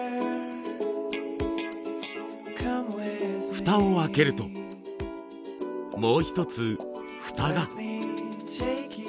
蓋を開けるともう一つ蓋が。